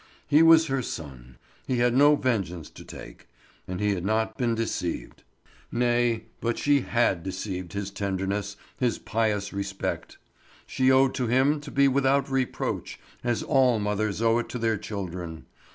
He was her son; he had no vengeance to take. And he had not been deceived. Nay, but she had deceived his tenderness, his pious respect. She owed to him to be without reproach, as all mothers owe it to their children.